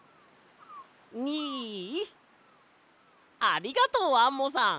ありがとうアンモさん！